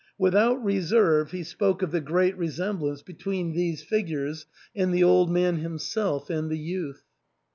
Without reserve he spoke of the great resemblance between these figures and the old man himself and the youth.